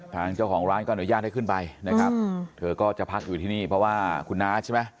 ทางเจ้าของร้านก็อนุญาตให้ขึ้นไปนะครับเธอก็จะพักอยู่ที่นี่เพราะว่าคุณน้าใช่ไหม